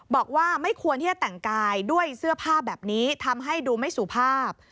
บอกว่าไม่ควรที่จะแต่งกายด้วยเสื้อผ้าแบบนี้ทำให้ดูไม่สุภาพ